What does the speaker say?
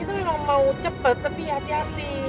itu memang mau cepat tapi hati hati